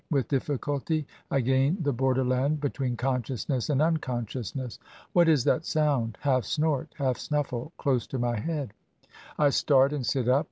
With difficulty I gain the border land between consciousness and unconsciousness. What is that sound, half snort, half snuffle, close to my head? I start, and sit up.